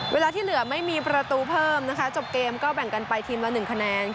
เวลาที่เหลือไม่มีประตูเพิ่มนะคะจบเกมก็แบ่งกันไปทีมละ๑คะแนน